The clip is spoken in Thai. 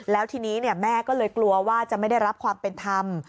แล้วทีนี้แม่ก็เลยกลัวว่าจะไม่ได้รับความเป็นธรรม